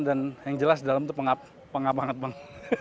dan yang jelas di dalam tuh pengap pengap banget bang